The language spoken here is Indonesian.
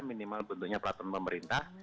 minimal bentuknya peraturan pemerintah